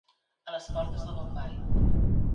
A les portes de Bombai.